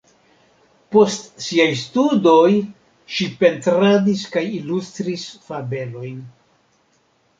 Post siaj studoj ŝi pentradis kaj ilustris fabelojn.